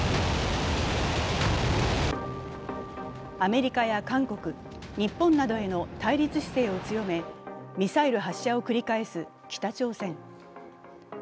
アメリカや韓国、日本などへの対立姿勢を強め、ミサイル発射を繰り返す北朝鮮。